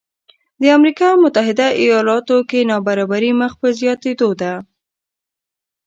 د امریکا متحده ایالاتو کې نابرابري مخ په زیاتېدو ده